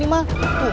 tidak ada altro